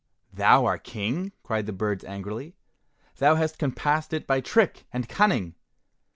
"Thou, our King?" cried the birds angrily. "Thou hast compassed it by trick and cunning!"